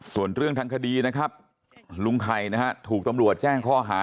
ส่วนเรื่องทางคดีนะครับลุงไข่นะฮะถูกตำรวจแจ้งข้อหา